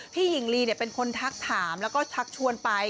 หญิงลีเป็นคนทักถามแล้วก็ชักชวนไป